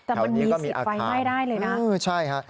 แถวนี้มีสิทธิฟัยไม่ได้เลยนะ